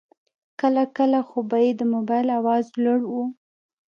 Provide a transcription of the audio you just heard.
کله کله خو به یې د موبایل آواز لوړ و.